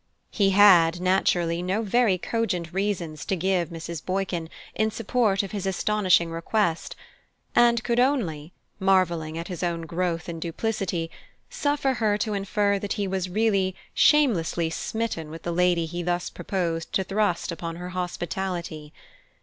He had, naturally, no very cogent reasons to give Mrs. Boykin in support of his astonishing request, and could only, marvelling at his own growth in duplicity, suffer her to infer that he was really, shamelessly "smitten" with the lady he thus proposed to thrust upon her hospitality.